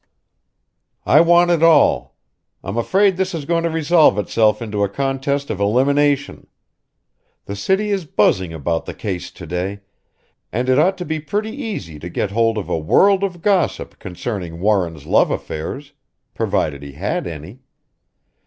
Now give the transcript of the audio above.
"I want it all. I'm afraid this is going to resolve itself into a contest of elimination. The city is buzzing about the case to day, and it ought to be pretty easy to get hold of a world of gossip concerning Warren's love affairs provided he had any.